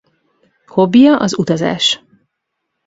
Hobbija az utazás.